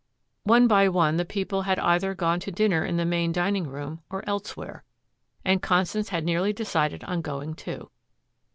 One by one the people had either gone to dinner in the main dining room or elsewhere and Constance had nearly decided on going, too.